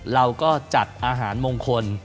เราก็จัดอาหารมงคล